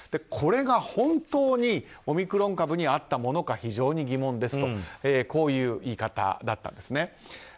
これが本当にオミクロン株に合ったものか非常に疑問ですとこういう言い方だったんですね。